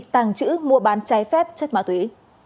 tàng chữ mua bán trái phép chất ma túy